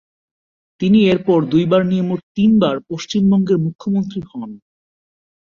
তিনি এরপর দুই বার নিয়ে মোট তিনবার পশ্চিমবঙ্গের মুখ্যমন্ত্রী হন।